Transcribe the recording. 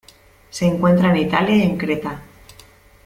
Se encuentra en Italia y en Creta.